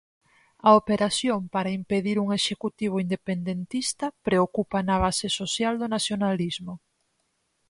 A operación para impedir un Executivo independentista preocupa na base social do nacionalismo.